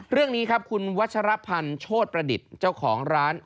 เรื่องนี้ครับคุณวัชรพันธ์โชธประดิษฐ์เจ้าของร้าน